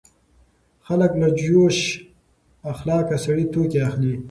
خلک له خوش اخلاقه سړي توکي اخلي.